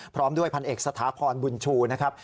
พร้อมด้วยพันเอกสถาพรบุญชูนะครับ